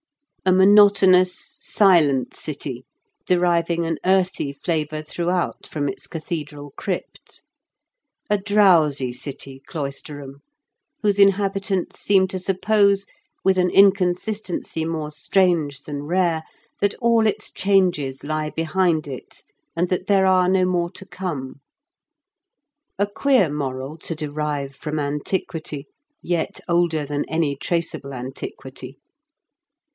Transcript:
A monotonous, silent city, deriving an earthy flavour throughout from its cathedral crypt. ... A drowsy city, Cloisterham, whose inhabitants seem to sup pose, with an inconsistency more strange than rare, that all its changes lie behind it, and that there are no more to come. A queer moral to derive from antiquity, yet older than any traceable antiquity.